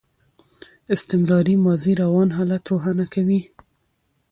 استمراري ماضي روان حالت روښانه کوي.